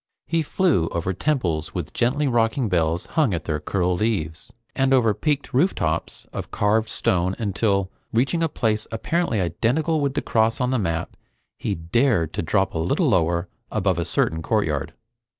He flew over temples with gently rocking bells hung at their curled eaves, and over peaked rooftops of carved stone until, reaching a place apparently identical with the cross on the map, he dared to drop a little lower above a certain courtyard.